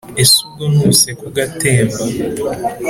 Ese ubwo ntuseka ugatemba?